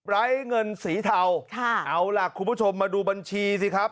ไร้เงินสีเทาเอาล่ะคุณผู้ชมมาดูบัญชีสิครับ